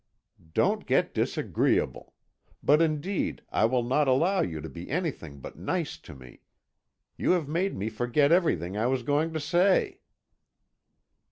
Don't get disagreeable; but indeed I will not allow you to be anything but nice to me. You have made me forget everything I was going to say."